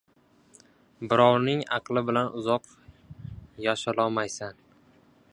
• Birovning aqli bilan uzoq yasholomaysan.